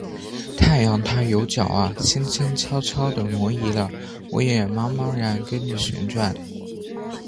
太阳他有脚啊，轻轻悄悄地挪移了；我也茫茫然跟着旋转。